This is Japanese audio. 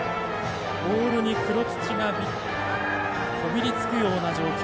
ボールに黒土がこびりつくような状況。